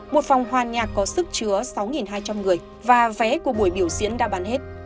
một phòng hoàn nhạc có sức chứa sáu hai trăm linh người và vé của buổi biểu diễn đã bán hết